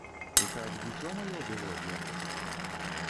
І каб дзіцё маё было ад яго?